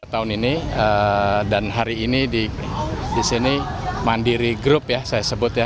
tahun ini dan hari ini di sini mandiri group ya saya sebut ya